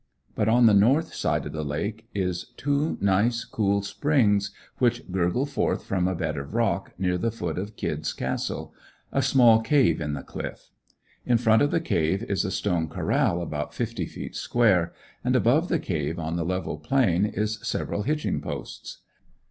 But on the north side of the lake is two nice, cool springs which gurgle forth from a bed of rock, near the foot of "Kid's" Castle a small cave in the cliff. In front of the cave is a stone corral about fifty feet square; and above the cave on the level plain is several hitching posts.